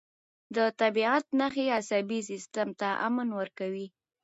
د طبیعت نښې عصبي سیستم ته امن ورکوي.